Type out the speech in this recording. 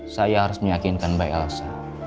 saya harus meyakinkan mbak elsa